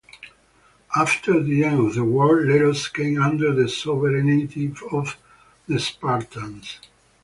After the end of the war Leros came under the sovereignty of the Spartans.